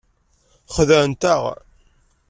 Xedɛent-aɣ.